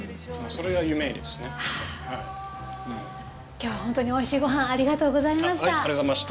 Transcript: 今日は本当においしいご飯ありがとうございました。